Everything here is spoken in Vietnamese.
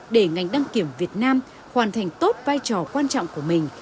để ngành đăng kiểm việt nam hoàn thành tốt vai trò quan trọng của mình